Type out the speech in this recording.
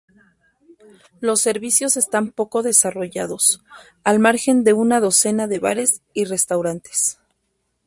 Los servicios están poco desarrollados, al margen de una docena de bares y restaurantes.